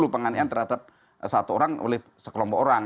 penganian terhadap satu orang oleh sekelompok orang